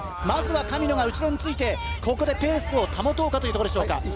まずは神野が後ろについて、ここでペースを保とうかというところでしょうか。